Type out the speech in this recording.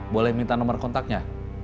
boleh minta nomor kontaknya